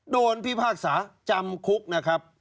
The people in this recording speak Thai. พิพากษาจำคุกนะครับ